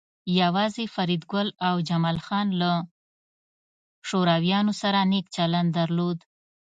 یوازې فریدګل او جمال خان له شورویانو سره نیک چلند درلود